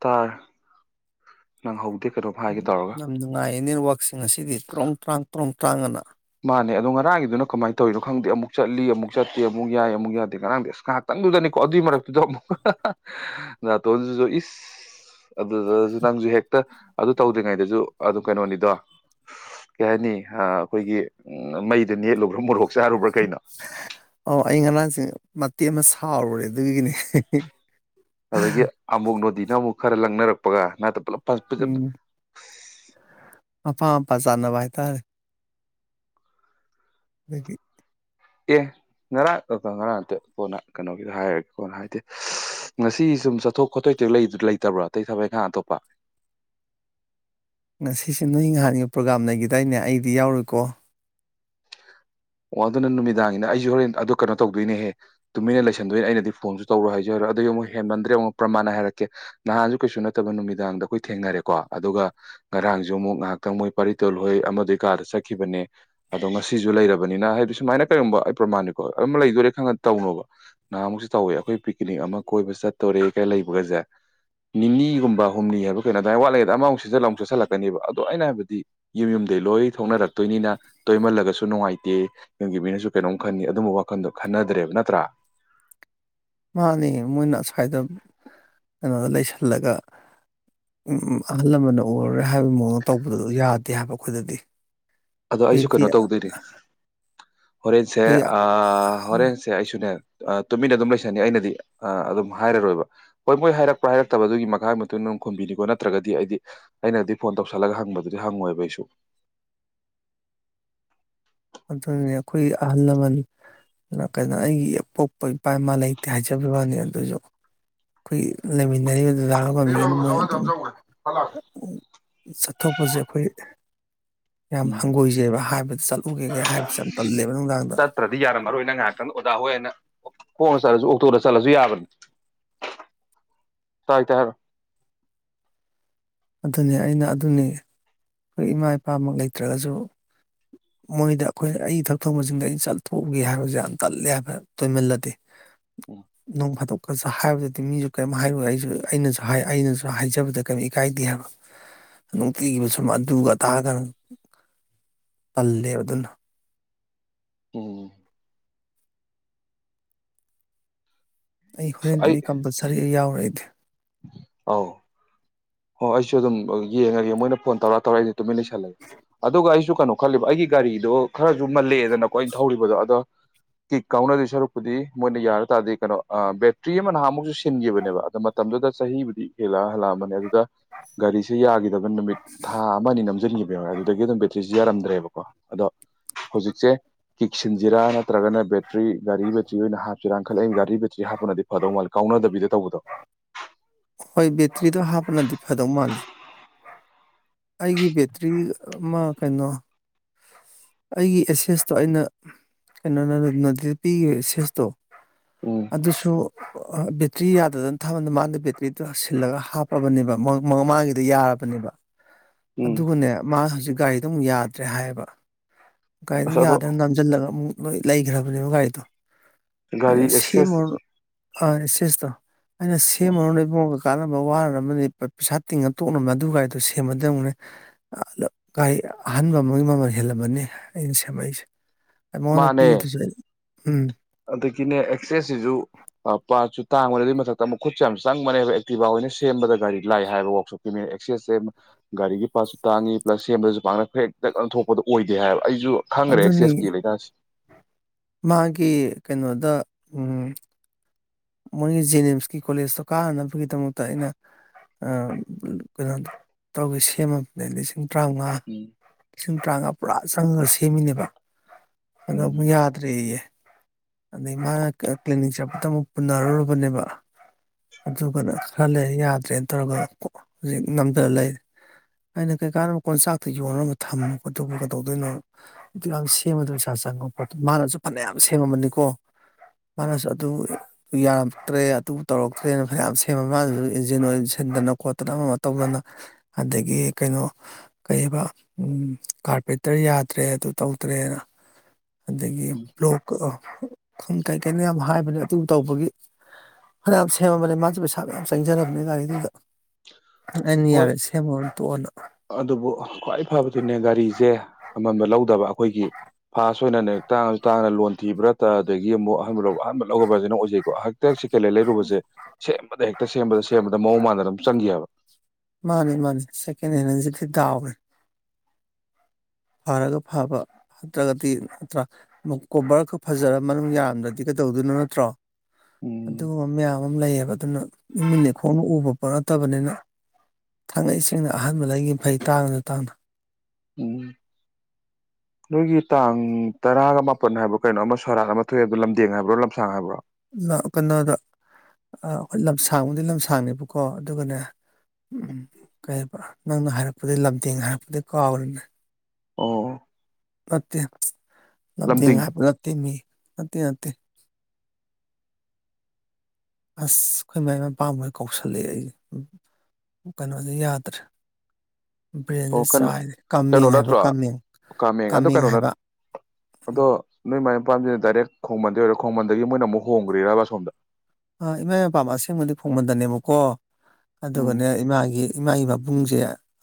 ꯇꯥꯏ ꯅꯪ ꯍꯧꯗꯦ ꯌꯥꯝ ꯌꯥꯝ ꯅꯨꯡꯉꯥꯏꯌꯦ ꯅꯦꯠꯋꯥꯛꯁꯤꯡ ꯑꯁꯤꯗꯤ ꯇꯨꯔꯥꯡ ꯇ꯭ꯔꯥꯡ ꯇꯔꯨꯝ ꯇ꯭ꯔꯥꯡꯉꯅ ꯅꯦ ꯑꯗꯣ ꯉꯥꯡꯒꯤꯗꯨꯅ ꯀꯃꯥꯏꯅ ꯇꯧꯔꯤꯅꯣ ꯈꯪꯗꯦ ꯑꯃꯨꯛ ꯆꯠꯂꯤ ꯑꯃꯨꯛ ꯆꯠꯇꯦ ꯑꯃꯨꯛ ꯌꯥꯏ ꯑꯃꯨꯛ ꯌꯥꯗꯦ ꯉꯔꯥꯡꯗꯤ ꯑꯁ ꯉꯥꯏꯍꯥꯛꯇꯪꯗꯨꯗꯅꯤꯀꯣ ꯑꯗꯨꯏ ꯃꯔꯛꯇꯨꯗ ꯑꯃꯨꯛ ꯇꯣꯗꯨꯁꯨ ꯏꯁ ꯑꯗꯨ ꯅꯪꯁꯨ ꯍꯦꯛꯇ ꯑꯗꯨ ꯇꯧꯗ꯭ꯔꯤꯉꯩꯗꯁꯨ ꯑꯗꯨꯝ ꯀꯩꯅꯣꯅꯤꯗꯣ ꯀꯩ ꯍꯥꯏꯅꯤ ꯑꯩꯈꯣꯏꯒꯤ ꯎꯝ ꯃꯩꯗ ꯅꯦꯠꯂꯨ ꯨꯝ ꯃꯣꯔꯣꯛ ꯆꯦ ꯍꯥꯏꯔꯨꯕ꯭ꯔꯥ ꯀꯩꯅꯣ ꯑꯧ ꯑꯩ ꯉꯔꯥꯡꯁꯦ ꯃꯇꯦꯛ ꯑꯃ ꯁꯥꯎꯔꯨꯔꯦ ꯑꯗꯨꯒꯤꯅꯦ ꯑꯗꯨꯗꯒꯤ ꯑꯃꯨꯛ ꯅꯗꯤꯅ ꯑꯃꯨꯛ ꯈꯔ ꯂꯪꯅꯔꯛꯄꯒ ꯅꯥꯠꯇ ꯄꯨꯂꯞ ꯄ [inaudible] ꯑꯄꯥ ꯑꯄꯥ ꯆꯥꯅꯕ ꯍꯥꯏꯇꯥꯔꯦ ꯂꯩ ꯑꯦ ꯉꯔꯥꯡ ꯉꯔꯥꯡ ꯅꯠꯇ ꯀꯣꯟꯅ ꯀꯩꯅꯣꯒꯤꯗ ꯍꯥꯏꯔꯛꯒꯦ ꯀꯣꯟꯅ ꯍꯥꯏꯗꯤꯦ ꯉꯁꯤ ꯁꯨꯝ ꯆꯠꯊꯣꯛ ꯈꯣꯠꯊꯣꯛ ꯂꯩꯇꯕ꯭ꯔꯣ ꯑꯇꯩ ꯊꯕꯛꯈꯥ ꯑꯇꯣꯞꯄ ꯉꯁꯤꯁꯦ ꯅꯣꯏ ꯅꯍꯥꯟꯒꯤ ꯄ꯭ꯔꯣꯒꯥꯝ ꯂꯩꯈꯤꯗꯥꯏꯅꯦ ꯑꯩꯗꯤ ꯌꯥꯎꯔꯨꯀꯣ ꯑꯣ ꯑꯗꯨꯅ ꯅꯨꯃꯤꯗꯥꯡꯒꯤꯅ ꯑꯩꯁꯨ ꯍꯣꯔꯦꯟ ꯑꯗꯨ ꯀꯩꯅꯣ ꯇꯧꯗꯣꯏꯅꯦꯍꯦ ꯇꯨꯃꯤꯟꯅ ꯂꯩꯁꯟꯗꯣꯏꯅꯦ ꯑꯩꯅꯗꯤ ꯐꯣꯟꯁꯨ ꯇꯧꯔꯣ ꯍꯥꯏꯖꯔꯣ ꯑꯗꯨꯏ ꯑꯃꯨꯛ ꯍꯦꯃꯟꯗ꯭ꯔꯦ ꯑꯃꯨꯛ ꯄ꯭ꯔꯃꯥꯟꯅ ꯍꯥꯏꯔꯛꯀꯦ ꯅꯍꯥꯟꯁꯨ ꯀꯩꯁꯨ ꯅꯠꯇꯕ ꯅꯨꯃꯤꯗꯥꯡꯗ ꯑꯩꯈꯣꯏ ꯊꯦꯡꯅꯔꯦꯀꯣ ꯑꯗꯨꯒ ꯉꯔꯥꯡꯁꯨ ꯑꯃꯨꯛ ꯉꯥꯏꯍꯥꯛꯇꯪ ꯃꯣꯏ ꯄꯥꯔꯤꯇꯣꯜꯍꯣꯏ ꯑꯃꯗꯒꯤ ꯀꯥꯗ ꯆꯠꯈꯤꯕꯅꯦ ꯑꯗꯣ ꯉꯁꯤꯁꯨ ꯂꯩꯔꯕ ꯕꯅꯤꯅ ꯍꯥꯏꯕꯗꯤ ꯁꯨꯃꯥꯏꯅ ꯀꯩꯒꯨꯝꯕ ꯑꯩ ꯄ꯭ꯔꯃꯥꯟꯅꯤꯀꯣ ꯑꯗꯨ ꯂꯩꯗꯣꯏꯣꯔꯦ ꯈꯪ ꯇꯧꯅꯣꯕ ꯅꯍꯥꯟꯃꯨꯛꯁꯨ ꯇꯧꯋꯦ ꯑꯩꯈꯣꯏ ꯄꯤꯛꯅꯤꯛ ꯑꯃ ꯀꯣꯏꯕ ꯆꯠꯇꯣꯔꯦ ꯀꯩ ꯂꯩꯕꯒꯁꯦ ꯅꯤꯅꯤꯒꯨꯝꯕ ꯍꯨꯝꯅꯤ ꯍꯥꯏꯕ ꯀꯩꯅꯣ ꯑꯗꯨꯃꯥꯏ ꯋꯥꯠꯂꯦꯗ ꯑꯃꯃꯨꯛ ꯁꯤꯖꯜꯂꯨ ꯆꯁꯤꯜꯂꯛꯀꯅꯦꯕ ꯑꯗꯣ ꯑꯩꯅ ꯍꯥꯏꯕꯗꯤ ꯌꯨꯝ ꯌꯨꯝꯗꯒꯤꯩ ꯂꯣꯏ ꯊꯣꯛꯅꯔꯛꯇꯣꯏꯅꯤꯅ ꯇꯣꯏꯃꯜꯂꯒꯁꯨ ꯅꯨꯡꯉꯥꯏꯇ ꯅꯪꯒꯤ ꯃꯤꯅꯁꯨ ꯀꯩꯅꯣꯝ ꯈꯟꯅꯤ ꯑꯗꯨꯝꯕ ꯋꯥꯈꯟꯗꯣ ꯈꯟꯅꯗ꯭ꯔꯦꯕ ꯅꯠꯇ꯭ꯔꯥ ꯃꯥꯅꯦ ꯃꯣꯏꯅꯁꯋꯥꯗ ꯀꯩꯅꯣꯗ ꯂꯩꯁꯜꯂꯒ ꯑꯍꯜ ꯂꯃꯟꯅ ꯎꯔꯔꯦ ꯍꯥꯏꯕꯒꯤ ꯃꯑꯣꯡꯗ ꯇꯧꯕꯗ ꯌꯥꯗꯦ ꯍꯥꯏꯕ ꯑꯩꯈꯣꯏꯗꯗꯤ ꯑꯗꯣ ꯑꯩꯁꯨ ꯑꯩꯈꯣꯏꯗꯤ ꯀꯩꯅꯣ ꯇꯧꯗꯣꯏꯅꯦ ꯍꯣꯔꯦꯟꯁꯦ ꯑꯩꯈꯣꯏ ꯑ ꯍꯣꯔꯦꯟꯁꯦ ꯑꯦ ꯇꯨꯃꯤꯟꯅ ꯑꯗꯨꯝ ꯂꯩꯁꯅꯤ ꯑꯩꯅꯗꯤ ꯑꯗꯨꯝ ꯍꯥꯏꯔꯔꯣꯏꯕ ꯍꯣꯏ ꯃꯣꯏ ꯍꯥꯏꯔꯛꯄ ꯍꯥꯏꯔꯛꯇꯕꯗꯨꯒꯤ ꯃꯈꯥꯒꯤ ꯃꯇꯨꯡ ꯏꯟꯅ ꯈꯨꯝꯕꯤꯅꯤꯀꯣ ꯅꯠꯇ꯭ꯔꯒꯗꯤ ꯑꯩꯗꯤ ꯑꯩꯅꯗꯤ ꯐꯣꯟ ꯇꯧꯁꯜꯂꯒ ꯍꯪꯕꯗꯨꯗꯤ ꯍꯪꯉꯣꯏꯕ ꯑꯩꯁꯨ ꯑꯗꯨꯅꯦ ꯑꯩꯈꯣꯏꯒꯤ ꯑꯍꯜ ꯂꯃꯟ ꯀꯩꯅꯣ ꯑꯩꯒꯤ ꯑ ꯄꯣꯛꯄ ꯏꯄꯥ ꯏꯃꯥ ꯂꯩꯇꯦ ꯍꯥꯏꯖꯕ ꯋꯥꯅꯤ ꯑꯗꯨꯁꯨ ꯑꯩꯈꯣꯏ ꯂꯩꯃꯤꯟꯅꯔꯤꯕ ꯄꯃꯤ ꯀꯣ ꯃꯣꯏꯠꯇ ꯆꯠꯊꯣꯛꯄꯁꯦ ꯑꯩꯈꯣꯏ ꯌꯥꯝ ꯎꯝ ꯍꯪꯒꯣꯏꯖꯩꯕ ꯍꯥꯏꯕꯗ ꯆꯠꯂ ꯆꯠꯇ꯭ꯔꯗꯤ ꯌꯥꯔꯝꯃꯔꯣꯏ ꯅꯪ ꯉꯥꯏꯍꯥꯛꯇꯪ ꯑꯣꯖꯥ ꯍꯣꯏ ꯑꯅ ꯀꯣꯟꯅ ꯆꯠꯂꯁꯨ ꯑꯣꯛꯇꯣꯗ ꯆꯠꯂꯁꯨ ꯌꯥꯕꯅꯤ ꯇꯔꯤꯛꯇ ꯍꯥꯏꯔꯣ ꯑꯗꯨꯅꯤ ꯑꯩꯅ ꯑꯗꯨꯅꯤ ꯑꯩꯈꯣꯏ ꯏꯃꯥ ꯏꯄꯥꯃꯛ ꯂꯩꯇ꯭ꯔꯒꯁꯨ ꯃꯣꯏꯗ ꯑꯩꯈꯣꯏ ꯑꯩ ꯊꯛ ꯊꯣꯡꯕꯁꯤꯡꯗ ꯑꯩꯅ ꯆꯠꯊꯣꯛꯎꯒꯦ ꯍꯥꯏꯕꯁꯦ ꯌꯥꯝ ꯇꯜꯂꯦ ꯍꯥꯏꯕ ꯇꯣꯏꯃꯜꯂꯗꯤ ꯎꯝ ꯅꯣꯡ ꯐꯥꯗꯣꯛ ꯍꯥꯏꯕꯗꯗꯤ ꯃꯤꯁꯨ ꯀꯔꯤꯝ ꯍꯥꯏꯔꯨ ꯑꯩꯁꯨ ꯑꯩꯅꯁꯨ ꯍꯥꯏ ꯑꯩꯅꯁꯨ ꯍꯥꯏꯖꯕꯗ ꯀꯔꯤꯝ ꯀꯥꯏꯗꯦ ꯍꯥꯏꯕ ꯅꯨꯡꯇꯤꯒꯤꯈꯤꯕ ꯁꯨꯝ ꯑꯗꯨꯒ ꯑ ꯇꯥꯑꯒ ꯄꯜꯂꯦꯕ ꯑꯗꯨꯅ ꯎꯝ ꯑꯩ ꯍꯣꯔꯦꯟꯗꯤ ꯑꯩ ꯀꯝꯄꯜꯁꯔꯤ ꯌꯥꯎꯔꯛꯏꯗꯤ ꯑ ꯑꯣ ꯑꯩꯁꯨ ꯑꯗꯨꯝ ꯌꯦꯡꯉꯒꯦ ꯃꯣꯏꯅ ꯐꯣꯟ ꯇꯧꯔ ꯇꯧꯔꯛ ꯑꯩꯁ ꯇꯨꯃꯤꯟ ꯂꯩꯁꯜꯂꯒꯦ ꯑꯗꯨꯒ ꯑꯩꯁꯨ ꯀꯩꯅꯣ ꯈꯜꯂꯤꯕ ꯑꯩꯒꯤ ꯒꯥꯔꯤꯗꯣ ꯈꯔꯁꯨ ꯃꯜꯂꯛꯑꯦꯗꯅꯀꯣ ꯑꯩꯅ ꯊꯧꯔꯤꯕꯗꯣ ꯑꯗꯣ ꯀꯤꯛ ꯀꯥꯎꯅꯗ ꯁꯔꯨꯛꯄꯨꯗꯤ ꯃꯣꯏꯅ ꯌꯥꯔ ꯇꯥꯔꯗꯤ ꯀꯩꯅꯣ ꯕꯦꯇ꯭ꯔꯤ ꯑꯃ ꯅꯍꯥꯃꯨꯛꯁꯨ ꯁꯤꯟꯈꯤꯕꯅꯦꯕ ꯃꯇꯝꯗꯨꯗ ꯆꯍꯤꯕꯨꯗꯤ ꯍꯦꯜꯂꯛ ꯍꯜꯂꯛꯑꯕꯅꯦ ꯑꯗꯨꯗ ꯒꯥꯔꯤꯁꯦ ꯌꯥꯒꯤꯗꯕ ꯅꯨꯃꯤꯠ ꯊꯥ ꯑꯃꯅꯤ ꯅꯝꯁꯤꯟꯈꯤꯕ ꯌꯥ ꯍꯣꯏꯦ ꯑꯗꯨꯗꯒꯤ ꯑꯗꯨꯝ ꯄꯤꯊ ꯁꯤꯁꯨ ꯌꯥꯔꯝꯗ꯭ꯔꯦꯕꯀꯣ ꯑꯗꯣ ꯍꯧꯖꯤꯛꯁꯦ ꯀꯤꯛ ꯁꯤꯟꯖꯤꯔꯥ ꯅꯠꯇ꯭ꯔꯒꯅ ꯕꯦꯠ ꯒꯥꯔꯤ ꯦꯆꯤ ꯑꯣꯏꯅ ꯍꯥꯞꯁꯤꯔꯥꯅꯈꯠꯂꯛꯏ ꯍꯥꯞꯄꯅ ꯐꯗꯧ ꯃꯥꯜꯜꯂꯤ ꯀꯥꯎꯅꯗꯕꯤꯗ ꯇꯧꯕꯗꯣ ꯍꯣꯏ ꯕꯦꯇ꯭ꯔꯤ ꯇꯣ ꯍꯥꯞꯅꯗꯤ ꯐꯗꯧ ꯃꯥꯜꯂꯤ ꯑꯩꯒꯤ ꯕꯦꯇ꯭ꯔꯤ ꯑꯃ ꯀꯩꯅꯣ ꯑꯩꯒꯤ ꯑꯦꯁꯦꯁꯇꯣ ꯑꯩꯅ ꯀꯩꯅꯣꯅ ꯅꯗ ꯄꯤꯈꯤꯕ ꯑꯦꯁꯦꯁꯇꯣ ꯎꯝ ꯑꯗꯨꯁꯨ ꯕꯦꯇ꯭ꯔꯤ ꯌꯥꯗꯗꯅ ꯊꯃꯗ ꯃꯥꯅ ꯕꯦꯇ꯭ꯔꯤꯗꯨ ꯁꯤꯜꯂꯒ ꯍꯥꯞꯄꯕꯅꯦꯕ ꯃꯃꯥꯡꯒꯤꯗ ꯌꯥꯔꯕ ꯟꯕ ꯎꯝ ꯑꯗꯨꯒꯅꯦ ꯃꯥ ꯍꯧꯖꯤꯛ ꯒꯔꯤ ꯑꯗꯨꯝ ꯌꯥꯗ꯭ꯔꯦ ꯍꯥꯏꯌꯦꯕ ꯀꯥꯏꯗꯣ ꯑꯁ ꯑꯗꯣ ꯌꯥꯗꯅ ꯅꯝꯁꯤꯜꯂꯒ ꯑꯃꯨꯛ ꯂꯣꯏ ꯂꯩꯈ꯭ꯔꯕꯅꯦꯕ ꯒꯥꯔꯤꯗꯣ ꯑ ꯒꯥꯔꯤ ꯑꯦꯛꯁꯦꯁ ꯁꯦꯝꯃꯨꯔꯅꯨ ꯑ ꯁꯤꯁꯇ ꯑꯩꯅ ꯁꯦ ꯑꯃꯣ ꯀꯥꯟꯅꯕ ꯋꯥꯍꯔꯔꯕꯅꯤ ꯄꯩꯁꯥ ꯇꯤꯡꯉ ꯇꯣꯛꯅꯕ ꯑꯗꯨꯗꯨ ꯀꯥꯏꯗꯨ ꯁꯤ ꯁꯦꯝꯕꯗꯅꯦ ꯔꯤ ꯑꯍꯟꯥꯟꯕ ꯑꯃꯒꯤ ꯃꯃꯜ ꯍꯦꯜꯂꯝꯕꯅꯤ ꯑꯩꯅ ꯁꯦꯝꯃꯛꯏꯁꯦ ꯑꯩ ꯃꯉꯣꯟꯗ ꯃꯥꯅꯦ ꯄꯤꯔꯤꯗꯨꯁꯨ ꯎꯝ ꯑꯗꯒꯤꯅꯦ ꯑꯦꯛꯁꯦꯁ ꯁꯤꯖꯨ ꯄꯥꯠꯁꯨ ꯇꯥꯡꯕꯗ ꯑꯗꯨꯒꯤ ꯃꯊꯛꯇ ꯑꯃꯨꯛ ꯈꯨꯠꯁꯦ ꯌꯥꯝ ꯆꯪꯕꯅꯦꯕ ꯑꯦꯛꯇꯤꯚꯣꯏ ꯑꯣꯏꯅ ꯁꯦꯝꯕꯗ ꯒꯥꯔꯤ ꯂꯥꯛ ꯍꯥꯏꯕ ꯋꯥꯛꯁꯣꯞꯀꯤ ꯃꯦꯟ ꯑꯦꯛꯁꯦꯁꯦ ꯒꯥꯔꯤꯒꯤ ꯄꯥꯔꯠꯁꯨ ꯇꯥꯡꯉꯤ ꯄ꯭ꯂꯁ ꯁꯦꯝꯕꯗꯁꯨ ꯄꯥꯡꯅ ꯐ꯭ꯔꯦꯛꯇꯛ ꯀꯅ ꯊꯣꯛꯄꯗꯣ ꯑꯣꯏꯗꯦ ꯍꯥꯏꯕ ꯑꯩꯁꯨ ꯈꯪꯈ꯭ꯔꯦ ꯁꯤ ꯑꯗꯨꯅꯤ ꯑꯦꯁ ꯀ ꯂꯩ ꯃꯥꯒꯤ ꯀꯩꯅꯣꯗ ꯎꯝ ꯃꯣꯏꯒꯤ ꯖꯦꯅꯤꯝꯁꯀꯤ ꯀꯣꯂꯦꯖꯇꯣ ꯀꯥꯅꯅꯕꯒꯤꯗꯃꯛꯇ ꯑꯩꯅ ꯀꯩꯅꯣ ꯇꯧꯒꯦ ꯁꯦꯝꯃꯕꯅꯦ ꯂꯤꯁꯤꯡ ꯇꯔꯥꯃꯉꯥ ꯎꯝ ꯂꯤꯁꯤꯡ ꯇꯔꯥꯃꯉꯥ ꯄꯨꯔꯥ ꯆꯪꯉꯒ ꯁꯦꯝꯃꯤꯅꯦꯕ ꯑ ꯎꯝ ꯌꯥꯗꯔꯤꯌꯦ ꯑꯗꯗꯒꯤ ꯃꯥ ꯀ꯭ꯂꯤꯅꯤꯛ ꯆ ꯇꯃꯛ ꯄꯨꯟꯅꯔꯨꯔꯕꯅꯦꯕ ꯑꯗꯨꯒꯅ ꯈꯔ ꯂꯩ ꯌꯥꯗ꯭ꯔꯦꯅ ꯇꯧꯔꯒ ꯍꯧꯖꯤꯛ ꯅꯝꯗꯅ ꯂꯩꯦ ꯑꯩꯅ ꯀꯩ ꯀꯥꯟꯗ ꯀꯣꯟꯆꯥꯛꯇ ꯌꯣꯟꯅꯕ ꯊꯝꯃꯨ ꯈꯣꯠꯇꯨ ꯀꯩꯗꯧꯗꯣꯏꯅꯣ ꯑꯗꯨꯀ ꯁꯦꯝꯃꯗꯣꯏ ꯏꯁꯥ ꯆꯪꯉ ꯈꯣ ꯃꯥꯅꯁꯨ ꯐꯅꯌꯥꯝ ꯁꯦꯝꯃꯃꯅꯤꯀꯣ ꯃꯥꯅꯁꯨ ꯑꯗꯨ ꯌꯥꯔꯛꯇ꯭ꯔꯦ ꯑꯗꯨ ꯇꯧꯔꯛꯇ꯭ꯔꯦꯅ ꯐꯌꯥꯝ ꯁꯦꯝꯕ ꯃꯥꯅꯁꯨ ꯏꯟꯖꯤꯟ ꯑꯣꯏꯁꯤꯟꯗꯅ ꯈꯣꯠꯇꯅ ꯑꯃ ꯑꯃ ꯇꯧꯗꯅ ꯑꯗꯒꯤ ꯀꯩꯅꯣ ꯀꯩꯕ ꯀꯥꯔꯄꯦꯟꯇꯔ ꯌꯥꯗ꯭ꯔꯦ ꯑꯗꯨ ꯇꯧꯗ꯭ꯔꯦꯅ ꯑꯗꯒꯤ ꯂ꯭ꯂꯣꯛ ꯈꯨꯡ ꯀꯥꯏ ꯀꯅꯦ ꯍꯥꯏꯥꯏꯕ ꯇꯧꯕꯒꯤ ꯐꯅꯌꯥꯝ ꯁꯦꯝꯃꯕꯅꯤ ꯃꯥꯁꯨꯦ ꯄꯩꯁꯥ ꯃꯌꯥꯝ ꯆꯪꯖꯔꯕꯅꯦ ꯒꯥꯔꯤꯗꯨꯗ ꯑꯩꯅ ꯍꯣꯏ ꯌꯥꯔꯦ ꯁꯦꯝꯃꯨꯔꯅꯨ ꯇꯣꯛꯑꯣꯅ ꯑꯗꯨꯕꯨ ꯈ꯭ꯋꯥꯏ ꯐꯕꯗꯨꯅꯦ ꯒꯥꯔꯤꯁꯦ ꯑꯃꯝꯕ ꯂꯧꯗꯕ ꯑꯩꯈꯣꯏꯒꯤ ꯐꯥꯁ ꯑꯣꯏꯅꯅꯦ ꯇꯥꯡꯁꯨ ꯇꯥꯡꯅ ꯂꯣꯟ ꯊꯤꯕ꯭ꯔꯥ ꯇ ꯑꯗꯒꯤ ꯌꯦ ꯑꯃꯨꯛ ꯑꯍꯥꯟꯕ ꯑꯍꯥꯟꯕ ꯂꯧꯁꯤꯅ ꯑꯣꯏꯖꯩꯀꯣ ꯍꯦꯛꯇ ꯍꯦꯛ ꯆꯦꯀꯦꯂ ꯂꯩꯔꯨꯕꯁꯦ ꯁꯦꯝꯕꯗ ꯍꯦꯛꯇ ꯁꯦꯝꯕꯗ ꯁꯦꯝꯕꯗ ꯃꯑꯣꯡ ꯃꯥꯟꯗ ꯑꯗꯨꯝ ꯆꯪꯈꯤꯑꯕ ꯃꯥꯅꯤ ꯃꯥꯅꯤ ꯁꯀꯦꯟ ꯍꯦꯟ ꯑꯦꯖꯤꯤꯗꯋꯦ ꯐꯔꯒ ꯐꯕ ꯅꯠꯇ꯭ꯔꯒꯗꯤ ꯅꯠꯇ꯭ꯔꯥ ꯀꯣꯕꯔ ꯈ ꯐꯖꯔ ꯃꯅꯨꯡ ꯌꯥꯝꯔꯝꯗ꯭ꯔꯗꯤ ꯀꯩꯗꯧꯗꯣꯏꯅꯣ ꯅꯠꯇ꯭ꯔꯣ ꯎꯝ ꯑꯗꯨꯒꯨꯝꯕ ꯃꯌꯥꯝ ꯑꯃ ꯂꯩꯌꯦꯕ ꯑꯗꯨꯅ ꯏꯃꯤꯜ ꯂꯩꯈꯣꯡꯅ ꯎꯕ ꯄꯣꯠ ꯅꯠꯇꯕꯅꯤꯅ ꯊꯥꯡꯉꯩ ꯁꯦꯡꯅ ꯑꯍꯥꯟꯕ ꯂꯩꯉ ꯐꯩ ꯇꯥꯡꯉꯅ ꯇꯥꯡꯅ ꯎꯝ ꯅꯣꯏꯒꯤ ꯇꯥꯡ ꯇꯔꯥꯒ ꯃꯥꯄꯟ ꯍꯥꯏꯕ꯭ꯔꯣ ꯀꯩꯅꯣ ꯑꯃ ꯁꯣꯔꯥꯥꯟ ꯑꯃ ꯊꯣꯛꯑꯦꯕꯗꯣ ꯂꯝꯗꯦꯡ ꯍꯥꯏꯕ꯭ꯔꯣ ꯂꯝꯁꯥꯡ ꯍꯥꯏꯕ꯭ꯔꯣ ꯀꯩꯅꯣꯗ ꯑꯩꯣꯏ ꯂꯝꯁꯥꯡꯕꯨꯗꯤ ꯂꯝꯁꯥꯡꯅꯦꯕꯀꯣ ꯑꯗꯨꯒꯅꯦ ꯀꯩ ꯅꯪꯅ ꯍꯥꯏꯔꯛꯄꯗ ꯂꯝꯗꯦꯡ ꯍꯥꯏꯔꯛꯄꯗꯤ ꯀꯥꯎꯔꯅꯦ ꯑꯣ ꯃꯇꯠꯇ ꯅꯝ ꯊ ꯂꯝꯗꯤꯡ ꯍꯥ ꯊꯅꯤ ꯑꯠꯇ ꯅꯠꯇꯦ ꯑꯁ ꯑꯩꯈꯣꯏ ꯃꯥꯏ ꯃꯥꯏꯄꯥꯝꯕꯩ ꯀꯧꯁꯤꯜꯂꯛꯑꯦ ꯑꯩꯁ ꯀꯩꯅꯣꯗꯤ ꯌꯥꯗ꯭ꯔꯦ ꯕ꯭ꯔꯦꯟꯗ ꯑꯣ ꯀꯩꯅꯣ ꯆꯥꯏꯔꯦ ꯀꯩꯅꯣ ꯀꯥꯃꯦꯡ ꯍꯥꯏꯕ ꯅꯠꯇ꯭ꯔꯣ ꯀꯥꯃꯦꯡ ꯑꯗꯣ ꯀꯥꯃꯦꯡ ꯀꯩꯅꯣ ꯅꯠ ꯍꯥꯏꯕ ꯎ ꯄꯥꯝꯁꯤꯅ ꯗꯥꯏꯔꯦꯛ ꯈꯣꯡꯃꯟꯗꯩ ꯑꯣꯏꯔ ꯈꯣꯡꯃꯟꯗꯒꯤ ꯃꯣꯏꯅ ꯑꯃꯨꯛ ꯍꯣꯡꯈ꯭ꯔꯦꯔꯕꯕꯥ ꯁꯣꯝꯗ ꯑ ꯏꯃꯥ ꯃꯄꯥ ꯑꯁꯦꯡꯕꯗꯤ ꯐꯣꯡꯃꯟꯗꯅꯦꯕꯀꯣ ꯎꯝ ꯑꯗꯨꯒꯅꯦ ꯏꯃꯥꯒꯤ ꯏꯃꯥꯒꯤ ꯕꯥꯕꯥ ꯃꯕꯨꯡꯁꯦ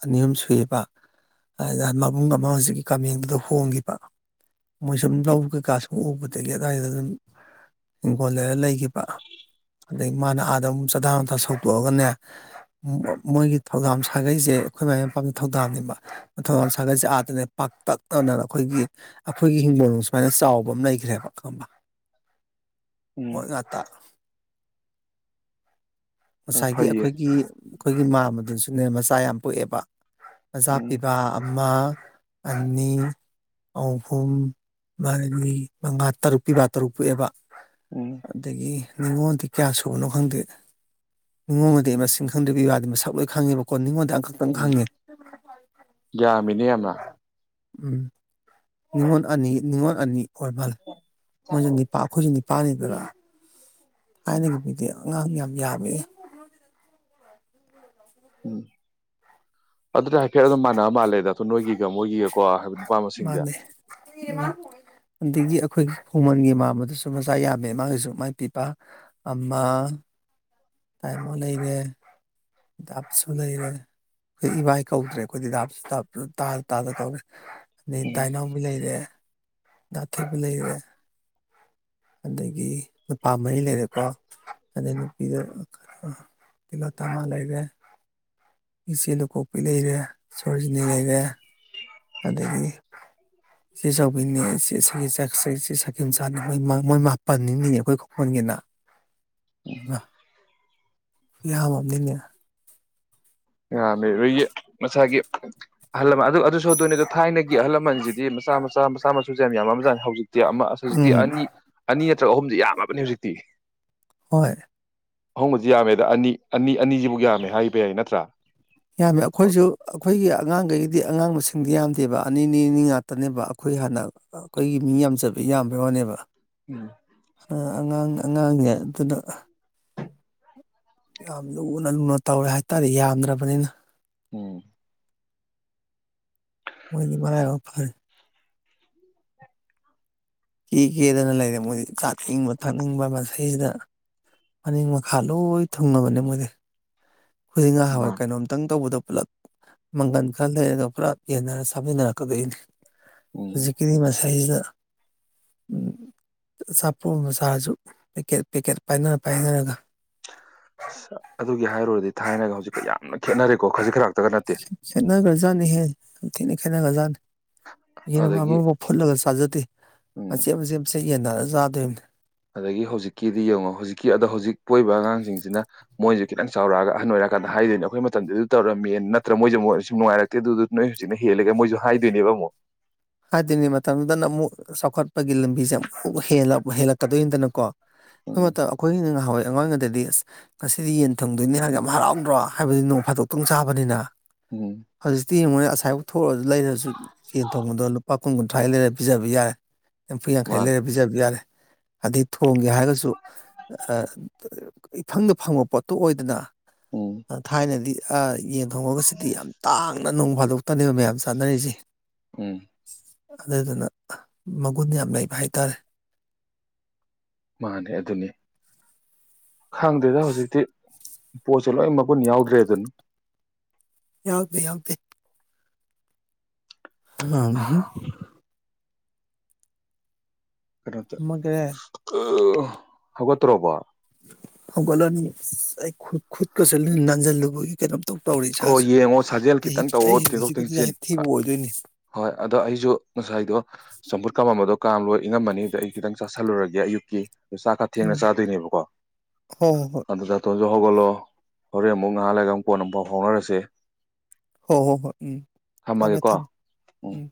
ꯑꯅꯤ ꯑꯍꯨꯝ ꯁꯨꯏꯕ ꯑꯗꯨꯗ ꯃꯕꯨꯡ ꯑꯃ ꯍꯧꯖꯤꯛꯀꯤ ꯀꯥꯃꯦꯡꯗꯨꯗ ꯍꯣꯡꯈꯤꯕ ꯃꯣꯏ ꯁꯨꯝ ꯂꯧ ꯀꯩꯀꯥ ꯁꯨꯝ ꯎꯕꯗꯒꯤ ꯑꯗꯨꯋꯥꯏꯗ ꯑꯗꯨꯝ ꯍꯤꯡꯈꯣꯜ ꯂꯩꯔ ꯂꯩꯈꯤꯕ ꯑꯗꯗꯒꯤ ꯃꯥꯅ ꯑꯥꯗ ꯑꯃꯨꯛ ꯆꯗꯥ ꯂꯊ ꯁꯧꯗꯣꯛꯑꯒꯅꯦ ꯃꯣꯏꯒꯤ ꯊꯧꯗꯥꯝ ꯁꯥꯒꯩꯁꯦ ꯑꯩꯈꯣꯏ ꯃꯥꯏ ꯃꯄꯥ ꯊꯧꯗꯥꯝꯅꯦꯕ ꯊꯧꯗꯥꯝ ꯁꯥꯒꯩꯁꯦ ꯑꯥꯗꯅꯦ ꯄꯥꯛꯇꯛꯅꯅ ꯑꯩꯈꯣꯏꯒꯤ ꯑꯩꯈꯣꯏꯒꯤ ꯍꯤꯡꯒꯣꯜꯅꯨꯡ ꯁꯨꯃꯥꯏꯅ ꯆꯥꯎꯕ ꯑꯃ ꯂꯩꯈ꯭ꯔꯦꯕ ꯈꯪꯕ ꯍ ꯎꯝ ꯉꯥꯛꯠꯇ ꯑꯣ ꯉꯁꯥꯏꯒꯤ ꯐꯩꯌꯦ ꯑꯩꯈꯣꯏꯒꯤ ꯑꯩꯈꯣꯏꯒꯤ ꯃꯥꯃꯗꯁꯨ ꯁꯤꯅꯦ ꯃꯆꯥ ꯌꯥꯝ ꯄꯣꯛꯑꯦꯕ ꯃꯆꯥꯥ ꯎꯝ ꯄꯤꯕ ꯑꯃ ꯑꯅꯤ ꯑꯍꯨꯝ ꯃꯔꯤ ꯃꯉꯥ ꯇꯔꯨꯛ ꯄꯤꯕ ꯇꯔꯨꯛ ꯄꯣꯛꯑꯦꯕ ꯎꯝ ꯑꯗꯒꯤ ꯅꯉꯣꯟꯗꯤ ꯀꯌꯥ ꯁꯨꯕꯅꯣ ꯈꯪꯗꯦ ꯅꯣꯡꯃꯗꯤ ꯃꯁꯤꯡ ꯈꯟꯗꯕꯒꯤ ꯋꯥꯗ ꯃꯁꯛ ꯂꯣꯏ ꯈꯪꯉꯦꯕꯀꯣ ꯅꯤꯡꯉꯣꯟꯗ ꯑꯃꯈꯛꯇꯪ ꯎꯝ ꯈꯪꯉꯦ ꯌꯥꯝꯃꯤꯅꯦ ꯌꯥꯝꯅ ꯎꯝ ꯅꯤꯡꯅꯤꯉꯣꯟ ꯑꯅꯤ ꯅꯤꯡꯅꯤꯉꯣꯟ ꯑꯅꯤ ꯍꯣꯏ ꯃꯥꯜꯂꯦ ꯃꯣꯏꯁꯨ ꯅꯤꯄꯥ ꯑꯩꯈꯣꯏꯁꯨꯦꯅꯤ ꯄꯅꯤꯗꯨꯔ ꯀꯅꯤꯒ ꯄꯤꯗ ꯑꯉꯥꯡ ꯌꯥꯝ ꯌꯥꯕ ꯎꯝ ꯑꯗꯨꯗ꯭ꯔ ꯍꯥꯏ ꯈꯦ ꯑꯗꯨꯝ ꯃꯅ ꯑꯃ ꯃꯥꯜ ꯂꯩꯦꯗ ꯣ ꯅꯣꯏꯒꯤꯒ ꯃꯣꯏꯒꯤ ꯃꯥꯅꯦ ꯑꯗꯒꯤ ꯑꯩꯈꯣꯏ ꯈꯣꯡꯃꯟꯒꯤ ꯃꯝꯕꯗꯨꯁꯨ ꯃꯆꯥ ꯌꯥꯝꯃꯦ ꯃꯥꯒꯤꯁꯨ ꯃꯥꯏ ꯄꯤꯕ ꯑꯃ ꯇꯥꯏꯃꯣ ꯂꯩꯔꯦ ꯗꯥꯞꯁꯨ ꯂꯩꯔꯦ ꯑꯩꯈꯣꯏ ꯏꯕꯥꯏ ꯀꯧꯗ꯭ꯔꯦ ꯑꯩꯈꯣꯏꯗꯤ ꯗꯥꯞꯁꯨ ꯇꯥꯗ ꯇꯥꯗ ꯀꯧꯔꯦ ꯑ ꯎꯝ ꯇꯥꯏꯅꯥꯎꯕꯨ ꯂꯩꯔꯦ ꯊꯕ ꯂꯩ ꯍꯔꯦ ꯑꯗꯒꯤ ꯅꯨꯄꯥ ꯃꯔꯤ ꯂꯩꯔꯦꯀꯣ ꯑꯗꯩ ꯅꯨꯄꯤꯗꯣ ꯀꯤꯂꯣ ꯇꯃꯉꯥ ꯂꯩꯔꯦ ꯏꯆꯦ ꯂꯨꯀꯣꯛꯄꯤ ꯂꯩꯔꯦ ꯁꯣꯔꯖꯤꯅꯤ ꯂꯩꯔꯦ ꯑꯗꯒꯤ ꯆꯦ ꯆꯥꯎꯕꯤꯅꯦ ꯆꯦ ꯁꯦ ꯆꯁꯦ ꯆꯦ ꯁꯥꯦ ꯆꯣꯏ ꯃꯣꯏꯄꯅꯤ ꯃꯤꯅꯦ ꯀꯣꯏ ꯍꯒꯅ [unintelligible] ꯌꯥꯃ ꯅꯌꯥ ꯌꯥ ꯃꯁꯥꯒꯤ ꯑꯍꯜ ꯂꯃꯟ ꯑꯗꯨ ꯑꯗꯨ ꯁꯣꯏꯗꯣꯏꯅꯤ ꯑꯗꯣ ꯊꯥꯏꯅꯒꯤ ꯑꯍꯜ ꯂꯃꯟꯁꯤꯗꯤ ꯃꯆꯥ ꯃꯆꯥ ꯃꯆꯥ ꯃꯁꯨꯁꯦ ꯌꯥꯝꯃꯃ ꯆꯥꯅꯤ ꯍꯧꯖꯤꯛꯇꯤ ꯑꯃ ꯑ ꯍꯧꯖꯤꯛꯇꯤ ꯎꯝ ꯑꯅꯤ ꯑꯅꯤ ꯅꯠꯇ꯭ꯔꯒ ꯑꯍꯨꯝꯗꯤ ꯌꯥꯝꯃꯕꯅꯤ ꯍꯧꯖꯤꯛꯇꯤ ꯍꯣꯏ ꯑꯍꯣꯡꯕꯁꯤ ꯌꯥꯝꯃꯦꯗ ꯑꯅꯤ ꯑꯅꯤ ꯑꯅꯤꯁꯤꯕꯨ ꯌꯥꯝꯃꯦ ꯍꯥꯏꯕ ꯌꯥꯏ ꯅꯠꯇ꯭ꯔꯥ ꯌꯥꯝꯃꯦ ꯑꯩꯈꯣꯏꯁꯨ ꯑꯩꯈꯣꯏꯒꯤ ꯑꯉꯥꯡꯈꯩꯗꯤ ꯑꯉꯥꯡꯕꯁ ꯁꯤꯡꯗꯤ ꯌꯥꯝꯗꯦꯕ ꯑꯅꯤ ꯅꯤꯅꯤ ꯉꯥꯛꯇꯅꯦꯕ ꯑꯩꯈꯣꯏ ꯍꯥꯟꯅ ꯑꯩꯈꯣꯏꯒꯤ ꯃꯤ ꯌꯥꯝꯖꯕ ꯌꯥꯝꯕꯩ ꯋꯥꯅꯦꯕ ꯎꯝ ꯑꯉꯥꯡ ꯑꯉꯥꯡꯅꯦ ꯑꯗꯨꯅ ꯌꯥꯝ ꯂꯨꯅ ꯂꯨꯅ ꯇꯧꯔꯦ ꯍꯥꯏꯇꯥꯔꯦ ꯌꯥꯝꯗ꯭ꯔꯕꯅꯤꯅ ꯎꯝ ꯃꯣꯏꯗꯤ ꯃꯔꯔꯥꯏ ꯑꯣꯏ ꯐꯔ ꯀꯦ ꯀꯦꯗꯅ ꯂꯩꯔꯦ ꯃꯣꯏꯗꯤ ꯆꯥꯅꯤꯡꯕ ꯊꯛꯅꯤꯡꯕ ꯃꯁꯤꯩꯁꯤꯗ ꯃꯅꯤꯡ ꯃꯈꯥ ꯂꯣꯏ ꯊꯨꯡꯉꯕꯅꯦ ꯃꯣꯏꯗꯤ ꯍꯨꯡ ꯉꯍ ꯍꯋꯥꯏ ꯃꯥꯅꯤ ꯀꯩꯅꯣꯝꯇꯪ ꯇꯧꯕꯗꯣ ꯄꯨꯂꯞ ꯃꯪꯒꯟ ꯈꯔ ꯂꯩꯔꯒ ꯄꯨꯂꯞ ꯌꯦꯟꯅꯔ ꯁꯥꯃꯤꯟꯅꯔꯛꯀꯗꯣꯏꯅꯤ ꯎꯝ ꯍꯧꯖꯤꯛ ꯀꯗꯤꯝ ꯑꯁꯦ ꯏꯁꯩꯁꯤꯗ ꯑꯆꯥꯄꯣꯠ ꯃꯆꯥꯁꯨ ꯄꯦꯛꯀꯦꯠ ꯄꯦꯛꯀꯦꯠ ꯄꯥꯏꯅꯔ ꯄꯥꯏꯅꯔꯒ ꯑꯗꯨ ꯒꯤ ꯍꯥꯏꯔꯨꯔꯗꯤ ꯊꯥꯏꯅꯒ ꯍꯧꯖꯤꯛꯀ ꯌꯥꯝꯅ ꯈꯦꯠꯅꯔꯦꯀꯣ ꯈꯖꯤꯛ ꯈꯔꯛꯇꯒ ꯅꯠꯇꯦ ꯊꯅ ꯈꯅꯒꯖꯥꯟ ꯌꯦꯔ ꯑꯗꯒꯤ ꯑꯃꯃꯥꯎ ꯐꯨꯠꯂꯒ ꯆꯥꯖꯗꯦ ꯎꯝ ꯃꯆꯦ ꯃꯆꯦ ꯆꯠ ꯌꯦꯟ ꯅꯥ ꯆꯥꯗꯣꯏꯕꯅꯦ ꯑꯗꯒꯤ ꯍꯧꯖꯤꯛꯀꯤꯗꯤ ꯌꯦꯡꯉꯣ ꯍꯧꯖꯤꯛꯀꯤ ꯑꯗꯣ ꯍꯧꯖꯤꯛ ꯄꯣꯛꯏꯕ ꯑꯉꯥꯡꯁꯤꯡꯁꯤꯅ ꯃꯣꯏꯁꯨ ꯈꯤꯇꯪ ꯆꯥꯎꯔꯛꯑꯒ ꯑꯍꯟ ꯑꯣꯏꯔꯀꯥꯟꯗ ꯍꯥꯏꯗꯣꯏꯅꯦ ꯑꯩꯈꯣꯏ ꯃꯇꯝꯗ ꯑꯗꯨ ꯇꯧꯔꯝꯃꯦ ꯅꯠꯇ꯭ꯔ ꯃꯣꯏꯁꯨ ꯃꯣꯏ ꯁ ꯅꯨꯡꯉꯥꯏꯔꯛꯇꯦ ꯑꯗꯨꯗꯨ ꯅꯣꯏ ꯍꯧꯖꯤꯛꯅ ꯍꯦꯜꯂꯒ ꯃꯣꯏꯁꯨ ꯍꯥꯏꯗꯣꯏꯅꯦꯕ ꯑꯃꯨꯛ ꯍꯥꯏꯗꯤꯅꯦ ꯃꯇꯝꯗꯨꯗꯅ ꯑꯃꯨꯛ ꯆꯥꯎꯈꯠꯄꯒꯤ ꯂꯝꯕꯤꯁꯦ ꯑꯃꯨꯛ ꯍꯦꯜꯂꯛꯀꯗꯣꯏꯅꯤꯗꯅꯀꯣ [inaudible] ꯍꯣꯏ ꯎꯝ ꯃꯇꯝ ꯑꯩꯈꯣꯏ ꯉꯥꯏꯍꯥꯛ ꯍꯣꯏ ꯑꯩꯉꯥꯡꯉꯗꯗꯤ ꯑꯁ ꯉꯁꯤꯗꯤ ꯌꯦꯟ ꯊꯪꯗꯣꯏꯅꯤ ꯍꯥꯟ ꯌꯥꯝ ꯍꯔꯥꯎꯗ꯭ꯔꯣ ꯍꯥꯏꯕꯗꯤ ꯅꯣꯡ ꯐꯥꯗꯣꯛꯇꯣꯡ ꯆꯥꯕꯅꯤꯅ ꯎꯝ ꯍꯧꯖꯤꯇꯤ ꯃꯁꯦꯕ ꯊꯣꯛꯑꯁꯨ ꯂꯩꯔꯁꯨ ꯌꯦꯦꯟ ꯊꯣꯡꯕꯗꯣ ꯄꯥ ꯀꯨꯡꯒꯨꯟ ꯊꯥꯏ ꯂꯩꯔꯦꯕꯤꯥꯕꯤ ꯌꯥꯔ ꯐꯨꯌꯥꯥꯡ ꯈꯥꯏ ꯃꯥꯅꯦ ꯂꯩꯔꯦ ꯕꯤꯖꯥꯕꯤꯌꯥꯔꯦ ꯑꯗꯩ ꯊꯣꯡꯒꯦ ꯍꯥꯏꯔꯒꯁꯨ ꯏꯐꯪꯗ ꯐꯪꯕ ꯄꯣꯠꯇꯨ ꯑꯣꯏꯗꯅ ꯎꯝ ꯊꯥꯏꯅꯗꯤ ꯌꯦꯟ ꯊꯣꯡꯉꯒꯁꯤꯗꯤ ꯌꯥꯝ ꯇꯥꯡꯅ ꯅꯣꯡ ꯐꯥꯗꯣꯛꯇ ꯀꯗꯕ ꯃꯌꯥꯝ ꯆꯥꯅꯔꯤꯁꯦ ꯎꯝ ꯑꯗꯨꯗꯨꯅ ꯃꯒꯨꯟ ꯌꯥꯝ ꯂꯩꯕ ꯍꯥꯏꯇꯥꯔꯦ ꯃꯥꯅꯦ ꯑꯗꯨꯅꯤ ꯈꯪꯗꯦꯗ ꯍꯧꯖꯤꯛꯇꯤ ꯄꯣꯠꯁꯨ ꯂꯣꯏ ꯃꯒꯨꯟ ꯌꯥꯎꯗ꯭ꯔꯦ ꯑꯗꯨꯅ ꯌꯥꯎꯗꯦ ꯌꯥꯎꯗꯦ ꯑ ꯈꯔꯣꯠꯇ ꯃꯒ꯭ꯔꯦ ꯍꯒꯠꯇ꯭ꯔꯣꯕ ꯁꯒꯂꯣꯅꯤ ꯑꯩ ꯈꯨꯠ ꯈꯨꯠꯀꯁ ꯅꯥꯟꯖ ꯂꯨ ꯀ ꯑꯣ ꯌꯦꯡꯉꯣ ꯁꯥꯖꯦꯜ ꯈꯤꯇꯪ ꯇꯧꯑꯣ ꯑꯩ ꯊꯦꯡꯗꯣꯛ ꯍꯧꯖꯤꯛꯀꯗꯤ ꯊꯦꯡꯖꯤꯟ ꯌꯥꯍꯤꯞ ꯊꯤꯕ ꯑꯣꯏꯗꯣꯏꯅꯤ ꯍꯣꯏ ꯑꯗꯣ ꯑꯩꯁꯨ ꯉꯁꯥꯏꯗꯣ ꯆꯝꯐꯨꯠ ꯀꯥꯃꯝꯕꯗꯣ ꯀꯥꯝ ꯂꯂꯣꯏ ꯏꯉꯝꯃꯅꯤꯗ ꯑꯩ ꯈꯤꯇꯪ ꯆꯥꯥꯁꯜꯂꯨꯔꯒꯦ ꯑꯌꯨꯛꯀꯤ ꯑꯗꯨ ꯆꯥꯛ ꯈ ꯊꯦꯡꯅ ꯎꯝ ꯆꯥꯗꯣꯏꯅꯦꯕꯀꯣ ꯍꯣ ꯍꯣ ꯍꯣꯏ ꯑꯗꯨ ꯆ ꯍꯒꯣꯂꯣ ꯍꯔꯦ ꯃꯨ ꯅꯍꯜ ꯂꯩꯒ ꯑꯃ ꯄ ꯅ ꯄꯥꯎ ꯐꯥꯎꯅꯔꯁꯦ ꯍꯣꯏ ꯍꯣ ꯍꯣꯏ ꯎꯝ ꯊꯝꯃꯦ ꯊꯝꯃꯒꯦꯀꯣ ꯊꯝꯃꯦ ꯎꯝ